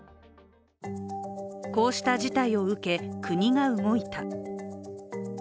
こうした事態を受け、国が動いた。